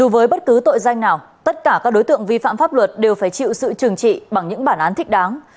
với bất cứ tội danh nào tất cả các đối tượng vi phạm pháp luật đều phải chịu sự trừng trị bằng những bản án thích đáng